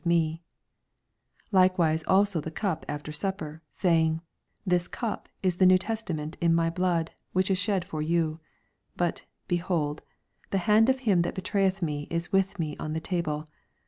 20 Likewise also the cup after sup per, saying, This cup %s the new test:iment m my blood, which is shed for you. 21 But, behold, the hand of him that betrayeth me is with me on the table.